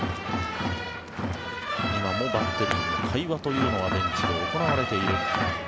今もバッテリーの会話というのがベンチで行われている。